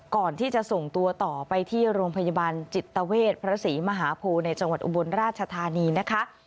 ก่อนที่จะส่งตัวต่อไปที่โรงพยาบาลจิตเวทพระศรีมหาโพในจังหวัดอุบลราชธานีนะคะ